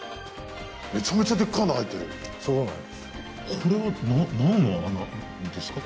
これは何の穴ですか？